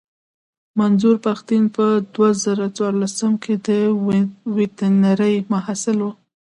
منظور پښتين په دوه زره څوارلسم کې د ويترنرۍ محصل و.